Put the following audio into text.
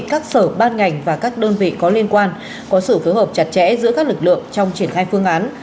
các sở ban ngành và các đơn vị có liên quan có sự phối hợp chặt chẽ giữa các lực lượng trong triển khai phương án